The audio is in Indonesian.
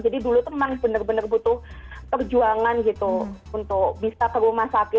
jadi dulu itu memang benar benar butuh perjuangan gitu untuk bisa ke rumah sakit